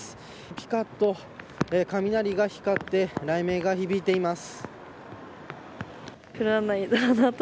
ぴかっと雷が光って雷鳴が響いています。